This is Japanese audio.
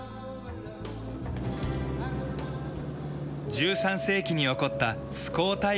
１３世紀に興ったスコータイ